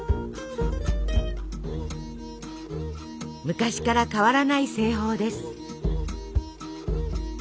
昔から変わらない製法です。